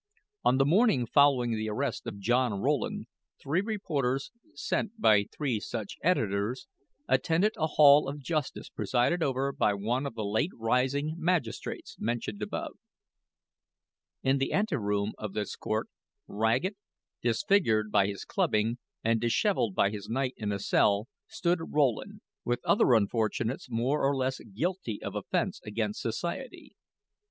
On the morning following the arrest of John Rowland, three reporters, sent by three such editors, attended a hall of justice presided over by one of the late rising magistrates mentioned above. In the anteroom of this court, ragged, disfigured by his clubbing, and disheveled by his night in a cell, stood Rowland, with other unfortunates more or less guilty of offense against society.